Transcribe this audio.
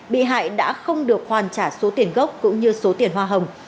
bị hại đã không được hoàn trả số tiền gốc cũng như số tiền hoa hồng